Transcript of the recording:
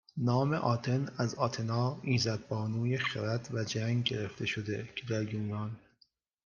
نام آتن از آتنا ایزدبانوی خرد و جنگ گرفته شده که در یونان